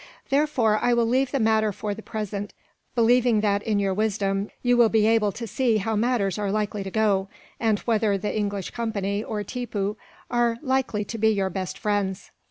Therefore I will leave the matter for the present; believing that, in your wisdom, you will be able to see how matters are likely to go; and whether the English Company, or Tippoo, are likely to be your best friends."